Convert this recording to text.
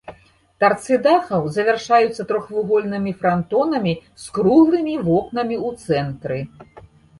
Тарцы дахаў завяршаюцца трохвугольнымі франтонамі з круглымі вокнамі ў цэнтры.